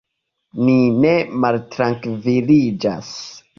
Ni ne maltrankviliĝas.